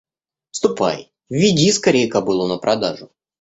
Ступай веди скорее кобылу на продажу.